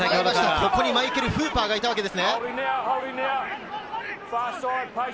ここにマイケル・フーパーがいたわけです。